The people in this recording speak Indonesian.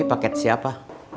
ini paket siapa